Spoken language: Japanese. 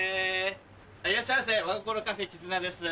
いらっしゃいませ「和ごころカフェ絆」です。